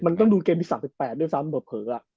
มันต้องดูเกมที่๓๘ด้วยซ้ำเผลอ